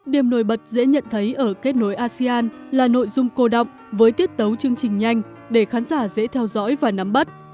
điểm nổi bật dễ nhận thấy ở kết nối asean là nội dung cô động với tiết tấu chương trình nhanh để khán giả dễ theo dõi và nắm bắt